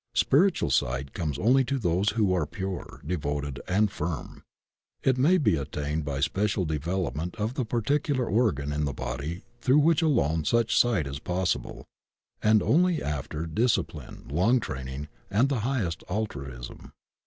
Spiritual si^t comes only to those who are pure, devoted, and firm. It may be attained by special de velopment of the particular organ in the body throu^ which alone such sight is possible, and only after disci pline, long training, and the highest altruism.